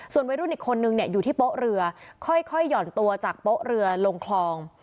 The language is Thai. วัยรุ่นอีกคนนึงอยู่ที่โป๊ะเรือค่อยห่อนตัวจากโป๊ะเรือลงคลอง